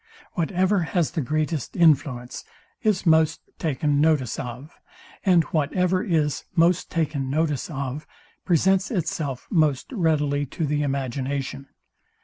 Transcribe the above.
Whatever has the greatest influence is most taken notice of; and whatever is most taken notice of, presents itself most readily to the imagination.